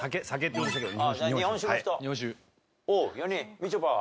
みちょぱは？